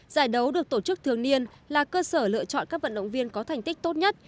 giải đấu được tổ chức thường niên là cơ sở lựa chọn các vận động viên có thành tích tốt nhất